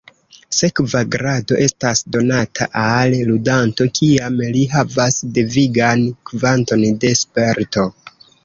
Sekva grado estas donata al ludanto kiam li havas devigan kvanton de "sperto".